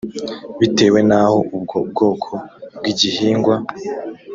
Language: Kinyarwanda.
bitewe n aho ubwo bwoko bw igihingwa